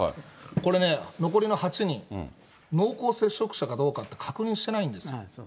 これね、残りの８人、濃厚接触者かどうかって、確認してないんですよ。